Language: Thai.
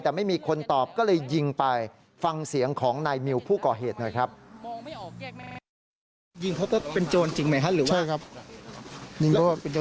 เป็นคนจริงไหมครับหรือว่าใช่ครับเป็นคนจริง